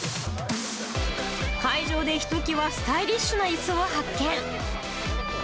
会場でひときわスタイリッシュないすを発見。